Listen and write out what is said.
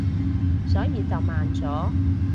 所以就慢咗